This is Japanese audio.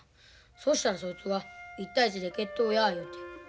そしたらそいつが１対１で決闘や言うて。